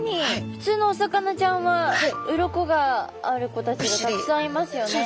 ふつうのお魚ちゃんは鱗がある子たちがたくさんいますよね。